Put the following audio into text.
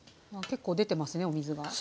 結構出てますねお水が。